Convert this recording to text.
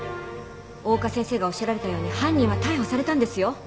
大岡先生がおっしゃられたように犯人は逮捕されたんですよ。